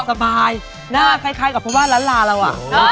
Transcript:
สบายหน้าคล้ายกับเพราะว่าร้านลาเราอ่ะ